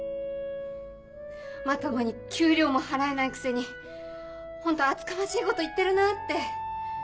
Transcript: まともに給料も払えないくせにホント厚かましいこと言ってるなって。